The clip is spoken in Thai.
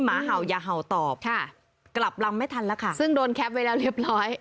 หมาเห่าอย่าเห่าตอบค่ะกลับลำไม่ทันแล้วค่ะซึ่งโดนแคปไว้แล้วเรียบร้อย